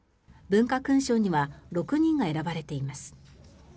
文化勲章には６人が選ばれています。